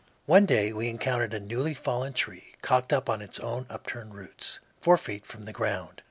One day we encountered a newly fallen tree, cocked up on its own upturned roots, four feet from the ground.